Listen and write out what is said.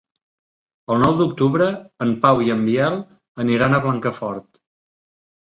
El nou d'octubre en Pau i en Biel aniran a Blancafort.